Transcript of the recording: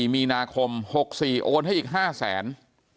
๒๔มีนาคม๖๔โอนให้อีก๕๐๐๐๐๐บาท